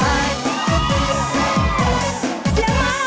เสียบรรยาภาพ